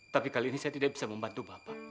tapi kali ini saya tidak bisa membantu bapak